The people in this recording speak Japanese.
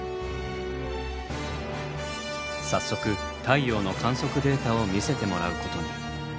早速太陽の観測データを見せてもらうことに。